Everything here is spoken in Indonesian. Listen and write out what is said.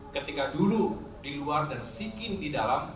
ketika dulu di luar dan sikin di dalam